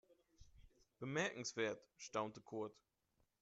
"Bemerkenswert", staunte Kurt.